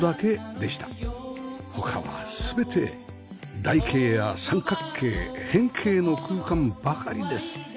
他は全て台形や三角形変形の空間ばかりです